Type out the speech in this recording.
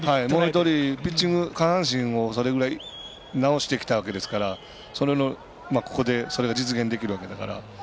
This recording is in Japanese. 下半身をそれぐらい直してきたわけですからここでそれが実現できるわけだから。